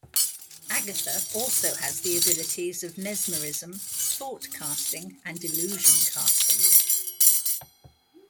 Agatha also has the abilities of mesmerism, thought-casting, and illusion-casting.